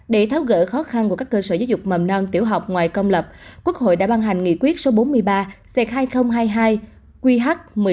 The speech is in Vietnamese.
để tháo gỡ khó khăn của các cơ sở giáo dục mầm non tiểu học ngoài công lập quốc hội đã ban hành nghị quyết số bốn mươi ba c hai nghìn hai mươi hai qh một mươi bốn